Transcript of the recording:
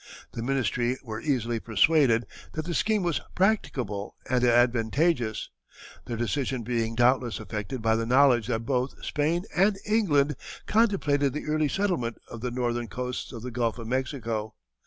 The ministry were easily persuaded that the scheme was practicable and advantageous, their decision being doubtless affected by the knowledge that both Spain and England contemplated the early settlement of the northern coasts of the Gulf of Mexico.